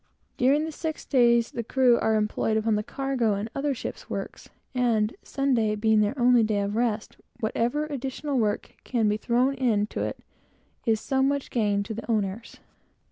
During the six days, the crew are employed upon the cargo and other ship's works, and the Sabbath, being their only day of rest, whatever additional work can be thrown into Sunday, is so much gain to the owners.